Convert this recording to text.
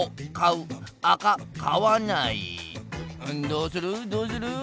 どうするどうする？